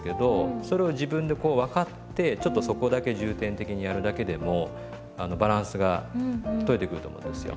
それを自分でこう分かってちょっとそこだけ重点的にやるだけでもバランスが取れてくると思いますよ。